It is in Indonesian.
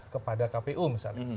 kepada kpu misalnya